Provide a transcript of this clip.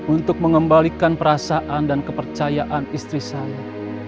untuk mengembalikan perasaan dan kepercayaan istri saya